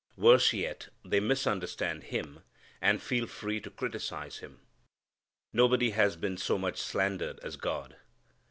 Worse yet, they misunderstand Him, and feel free to criticize Him. Nobody has been so much slandered as God.